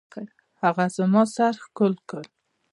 هغه زما سر ښكل كړ.